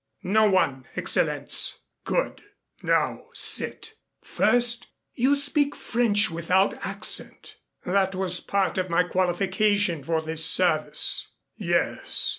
"No one, Excellenz." "Good. Now sit. First, you speak French without accent." "That was a part of my qualification for this service." "Yes.